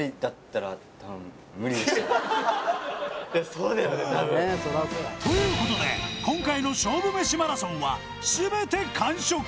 たぶんということで今回の勝負メシマラソンはすべて完食！